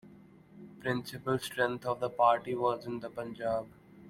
The principal strength of the party was in Punjab.